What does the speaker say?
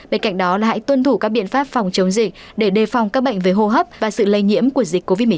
bên cạnh đó hãy tuân thủ các biện pháp phòng chống dịch để đề phòng các bệnh về hô hấp và sự lây nhiễm của dịch covid một mươi chín